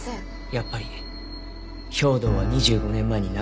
やっぱり兵働は２５年前に亡くなっていたんです。